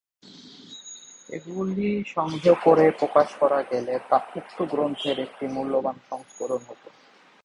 এগুলি সংগ্রহ করে প্রকাশ করা গেলে তা উক্ত গ্রন্থের একটি মূল্যবান সংস্করণ হত।